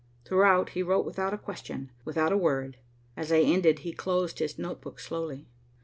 Throughout, he wrote without a question, without a word. As I ended, he closed his note book slowly.